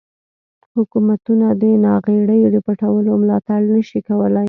حکومتونه د ناغیړیو د پټولو ملاتړ نشي کولای.